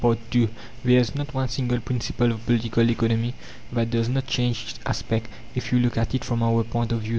II There is not one single principle of Political Economy that does not change its aspect if you look at it from our point of view.